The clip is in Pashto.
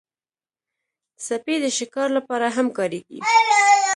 سپي د شکار لپاره هم کارېږي.